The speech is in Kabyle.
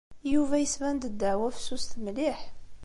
Yuba yesban-d ddeɛwa fessuset mliḥ.